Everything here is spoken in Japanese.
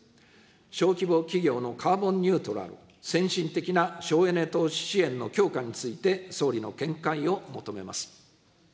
小規模企業のカーボンニュートラル、先進的な省エネ投資支援の強化について総理の見解を求めます。